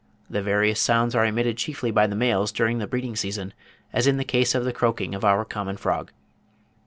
The various sounds are emitted chiefly by the males during the breeding season, as in the case of the croaking of our common frog.